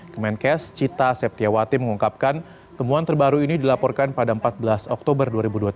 kemenkes cita septiawati mengungkapkan temuan terbaru ini dilaporkan pada empat belas oktober dua ribu dua puluh tiga